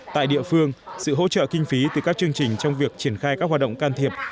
tại địa phương sự hỗ trợ kinh phí từ các chương trình trong việc triển khai các hoạt động can thiệp